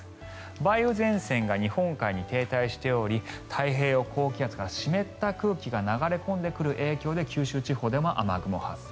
梅雨前線が日本海に停滞しており太平洋高気圧から湿った空気が流れ込んでくる影響で九州地方でも雨雲発生。